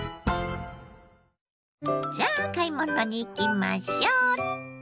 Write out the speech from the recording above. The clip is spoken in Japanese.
さあ買い物に行きましょう！